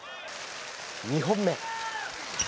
２本目。